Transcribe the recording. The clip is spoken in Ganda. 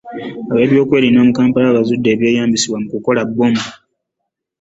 Ab'ebyokwerinda mu Kampala bazudde ebyeyambisibwa okukola bbomu